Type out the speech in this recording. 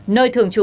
nơi thường trú